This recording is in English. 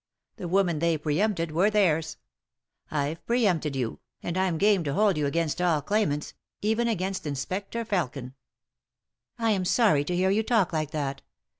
The women they pre empted were theirs. I've pre empted you; and I'm game to hold you against ■Jl claimants — even against Inspector Felkin." "I am sorry to hear you talk like that.